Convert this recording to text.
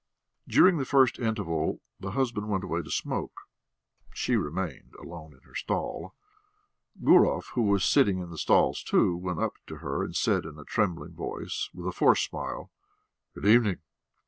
During the first interval the husband went away to smoke; she remained alone in her stall. Gurov, who was sitting in the stalls, too, went up to her and said in a trembling voice, with a forced smile: "Good evening."